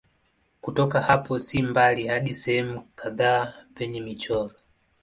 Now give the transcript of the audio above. Kutoka hapo si mbali hadi sehemu kadhaa penye michoro.